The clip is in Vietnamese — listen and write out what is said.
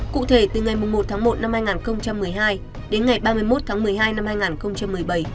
cụ thể từ ngày một một hai nghìn một mươi hai đến ngày ba mươi một một mươi hai hai nghìn một mươi bảy